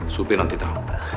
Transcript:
supi nanti tahu